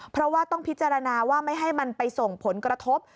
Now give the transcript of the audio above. เพราะว่าต้องพิจารณาว่าไม่ให้มันไปส่งผลกระทบ